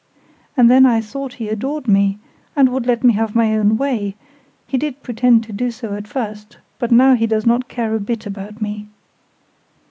And then I thought he adored me, and would let me have my own way: he did pretend to do so at first, but now he does not care a bit about me.